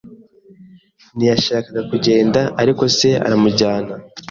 Ntiyashakaga kugenda, ariko se aramujyana.